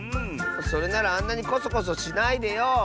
それならあんなにこそこそしないでよ！